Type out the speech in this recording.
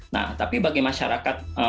nah tapi bagi masyarakat